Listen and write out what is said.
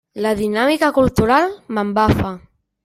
La dinàmica cultural m'embafa.